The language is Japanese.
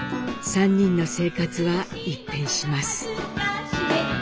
３人の生活は一変します。